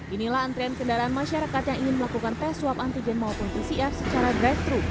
inilah antrian kendaraan masyarakat yang ingin melakukan tes swab antigen maupun pcr secara drive thru